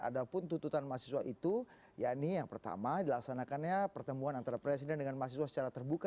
ada pun tuntutan mahasiswa itu yakni yang pertama dilaksanakannya pertemuan antara presiden dengan mahasiswa secara terbuka